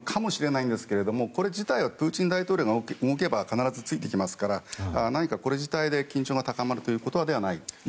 何かのアピールかもしれませんがこれ自体はプーチン大統領が動けば必ずついてきますから何かこれ自体で緊張が高まることではない。